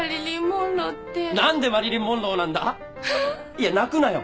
いや泣くなよ。